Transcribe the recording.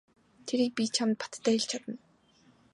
Тэрийг би чамд баттай хэлж чадна.